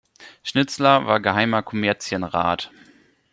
Schnitzler war Geheimer Kommerzienrat.